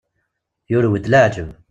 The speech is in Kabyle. Yurew-d leɛǧeb.